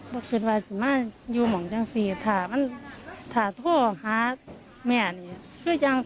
เพียงนั้นมีทั้งตัวทางคุณ